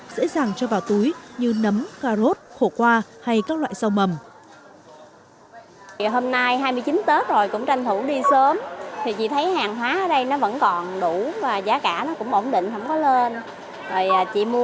dễ dàng cho vào túi như nấm cà rốt khổ qua hay các loại rau mầm